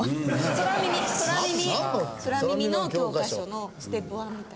空耳空耳空耳の教科書のステップ１みたいな。